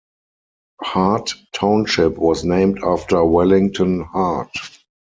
Hart Township was named after Wellington Hart.